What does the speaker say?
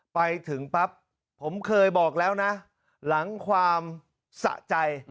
ไปถึงปั๊บผมเคยบอกแล้วนะหลังความสะใจ